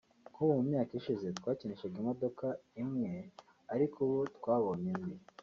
nk’ubu mu myaka ishize twakinishaga imodoka imwe ariko ubu twabonye indi